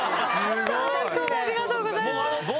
ありがとうございます！